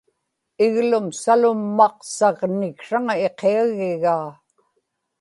iglum salummaqsaġniksraŋa iqiagigaa